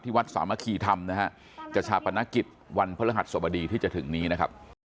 วัดสามัคคีธรรมนะฮะจะชาปนกิจวันพระฤหัสสบดีที่จะถึงนี้นะครับ